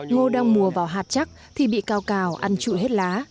ngô đang mùa vào hạt chắc thì bị cao cào ăn trụi hết lá